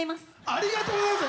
ありがとうございます！